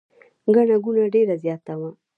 ګڼه ګوڼه ډېره زیاته وه.